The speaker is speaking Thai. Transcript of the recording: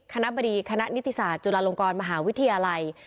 คณะบดีคณะนิติศาสตร์จุฬาลงกรมหาวิทยาลัย